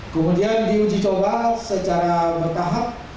kemudian di minean mining co boundaries company secara berkahan